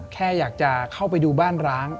แค่อยากจะเข้าไปดูบ้านร้าง